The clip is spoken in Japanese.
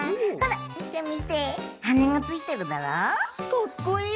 かっこいい！